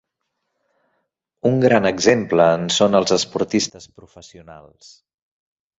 Un gran exemple en són els esportistes professionals.